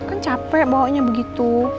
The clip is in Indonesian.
kan capek bahoknya begitu